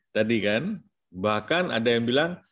tadi kan bahkan ada yang bilang